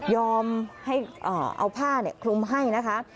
ยอมให้เอาผ้าเนี่ยคลุมให้นะคะ